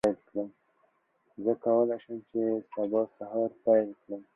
زه کولی شم چې سبا سهار پیل کړم.